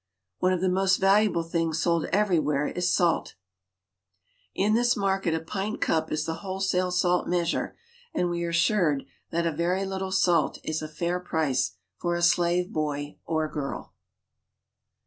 One of the most valuable things sold everywhere is salfe In this market a pint cup is the wholesale salt measure, and we are assured that a very little salt is a fair price for a slave boy or girl.